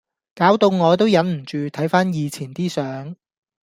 搞到我都忍唔住睇番以前啲相⠀